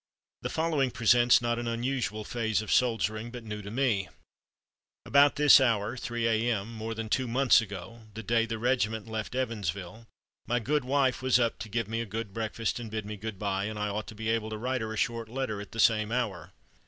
The following presents not an unusual phase of soldiering, but new to me: "About this hour (3 A.M.) more than two months ago [the day the regiment left Evansville] my good wife was up to give me a good breakfast and bid me good bye, and I ought to be able to write her a short letter at the same hour.